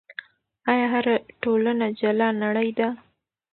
آیا هره ټولنه جلا نړۍ ده؟